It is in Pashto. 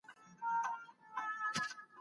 خلکو به د جرګي غړي په خپله خوښه ټاکل.